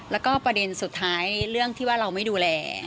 แล้วก็ประเด็นสุดท้ายเรื่องที่ว่าเราไม่ดูแล